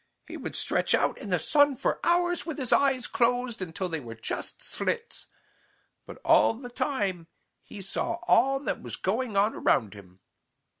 He would stretch out in the sun for hours with his eyes closed until they were just slits. But all the time he saw all that was going on around him.